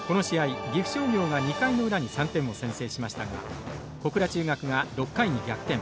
岐阜商業が２回の裏に３点を先制しましたが小倉中学が６回に逆転。